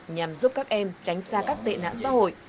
nhằm giúp các em tránh xa các tệ nạn xã hội